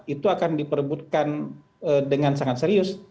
itu akan diperebutkan dengan sangat serius